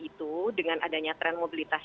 itu dengan adanya tren mobilitas